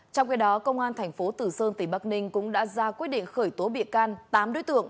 trong khi đó công an thành phố tử sơn tỉnh bắc ninh cũng đã ra quyết định khởi tố bị can tám đối tượng